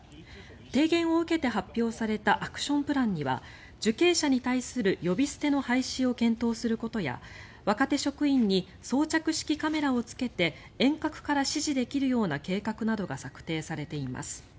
提言を受けて発表されたアクションプランには受刑者に対する呼び捨ての廃止を検討することや若手職員に装着式カメラをつけて遠隔から指示できるような計画などが策定されています。